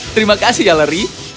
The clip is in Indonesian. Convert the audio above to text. terima kasih yaleri